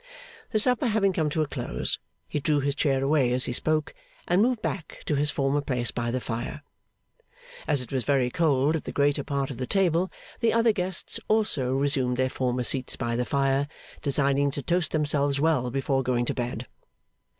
The supper having come to a close, he drew his chair away as he spoke, and moved back to his former place by the fire. As it was very cold at the greater part of the table, the other guests also resumed their former seats by the fire, designing to toast themselves well before going to bed.